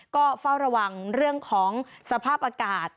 ก็เฝ้าระวังเรื่องของสภาพอากาศ